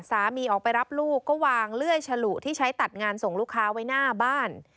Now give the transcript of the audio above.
สามีออกไปรับลูกก็วางเลื่อยฉลุที่ใช้ตัดงานส่งลูกค้าไว้หน้าบ้าน